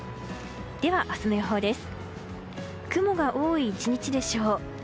では明日の予報です。